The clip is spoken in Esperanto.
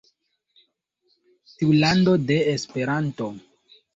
Tiu lando de Esperanto!?